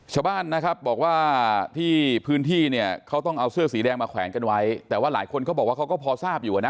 ชาวบ้านนะครับบอกว่าที่พื้นที่เนี่ยเขาต้องเอาเสื้อสีแดงมาแขวนกันไว้แต่ว่าหลายคนเขาบอกว่าเขาก็พอทราบอยู่อ่ะนะ